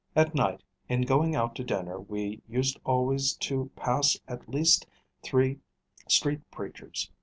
At night, in going out to dinner we used always to pass at least three street preachers.